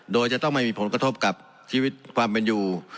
โดยจะต้องไม่มีผลกระทบกับชีวิตความเป็นอยู่